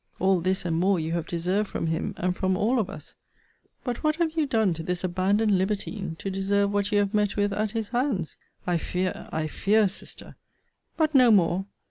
All this, and more you have deserved from him, and from all of us: But what have you done to this abandoned libertine, to deserve what you have met with at his hands? I fear, I fear, Sister! But no more!